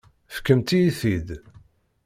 Fkemt-iyi-t-id.